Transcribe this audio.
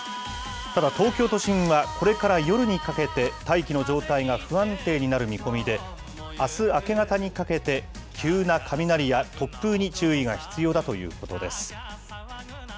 ただ、東京都心はこれから夜にかけて、大気の状態が不安定になる見込みで、あす明け方にかけて、急な雷や突風に注意が必要だということです。